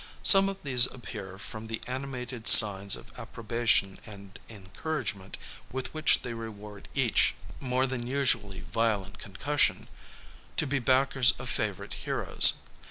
Some of these appear, from the animated signs of approbation and encouragement, with which they reward each more than usually violent concussion, to be backers of favourite heroes.